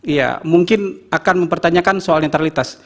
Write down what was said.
ya mungkin akan mempertanyakan soal netralitas